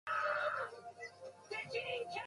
グアムは人気の観光地だ